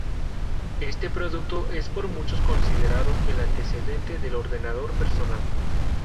Este producto es por muchos considerado el antecedente del ordenador personal.